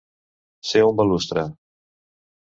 Ser un balustre.